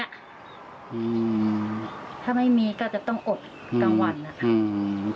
ถ้าไม่มีก็จะต้องอดกลางวัน